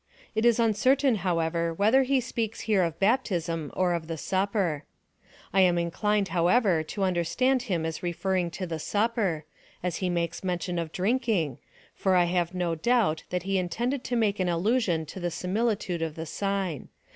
It is uncertain, however, whether he speaks here of Baptism or of the Supper. I am rather inclined, however, to understand him as referring to the Supper, as he makes mention of drinking, for I have no doubt that he intended to make an allusion to the similitude of the sign.